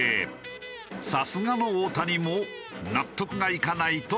さすがの大谷も納得がいかないとこの表情。